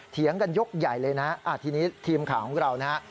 เถียงกันยกใหญ่เลยนะทีนี้ทีมข่าวของเรานะฮะ